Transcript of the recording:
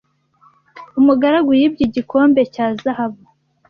umugaragu yibye igikombe cya zahabu